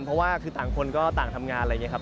เพราะว่าคือต่างคนก็ต่างทำงานอะไรอย่างนี้ครับ